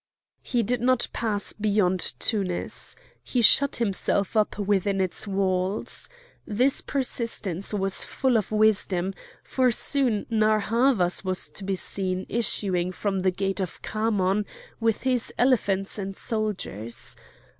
He did not pass beyond Tunis. He shut himself up within its walls. This persistence was full of wisdom, for soon Narr' Havas was to be seen issuing from the gate of Khamon with his elephants and soldiers.